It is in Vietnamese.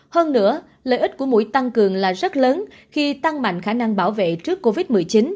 hơn nữa lợi ích của mũi tăng cường là rất lớn khi tăng mạnh khả năng bảo vệ trước covid một mươi chín